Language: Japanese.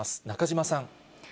中島さん。